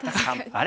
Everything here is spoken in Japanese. あれ？